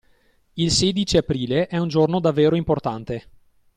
Il sedici Aprile è un giorno davvero importante.